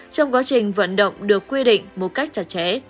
trong quá trình vận động được quy định một cách chặt chẽ